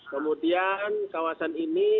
kemudian kawasan ini